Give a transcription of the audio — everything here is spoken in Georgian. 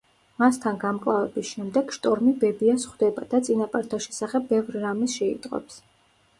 მასთან გამკლავების შემდეგ შტორმი ბებიას ხვდება და წინაპართა შესახებ ბევრ რამეს შეიტყობს.